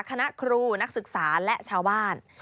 คณะครูนักศึกษาและชาวบ้าน